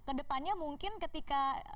ke depannya mungkin ketika partai partai itu berubah